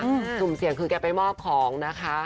อืมสุดเสี่ยงคือเขาไปมอบของนะคะใช่